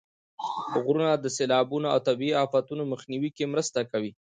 غرونه د سیلابونو او طبیعي افتونو مخنیوي کې مرسته کوي.